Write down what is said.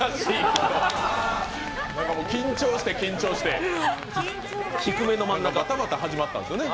緊張して、緊張して、バタバタ始まったんですよね。